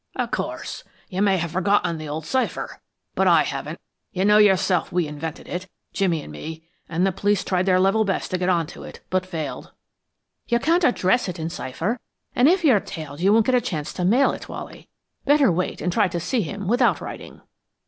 "Of course. You may have forgotten the old cipher, but I haven't. You know yourself we invented it, Jimmy and me, and the police tried their level best to get on to it, but failed." "You can't address it in cipher, and if you're tailed you won't get a chance to mail it, Wally. Better wait and try to see him without writing."